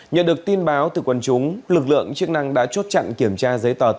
nhận được tin báo từ quân chúng lực lượng chức năng đã chốt chặn kiểm tra giấy tờ